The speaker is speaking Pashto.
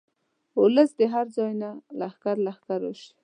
اولس دې هر ځاي نه لښکر لښکر راشي.